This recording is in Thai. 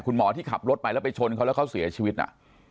คุณหมอที่ขับรถไปแล้วไปชนเขาแล้วเขาเสียชีวิตน่ะ